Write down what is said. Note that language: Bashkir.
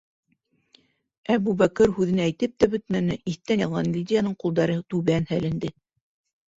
- Әбүбәкер һүҙен әйтеп тә бөтмәне, иҫтән яҙған Лидияның ҡулдары түбән һәленде...